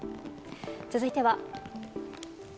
続いては。